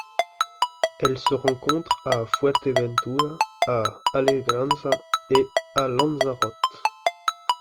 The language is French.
Elle se rencontre à Fuerteventura, à Alegranza et à Lanzarote.